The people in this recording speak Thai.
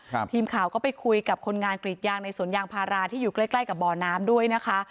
ทีมข่าวก็ไปคุยกับคนงานกรีดยางในสวนยางพาราที่อยู่ใกล้ใกล้กับบ่อน้ำด้วยนะคะ